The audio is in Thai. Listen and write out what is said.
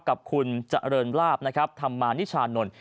กับคุณเจริญลาภธรรมาณิชานนท์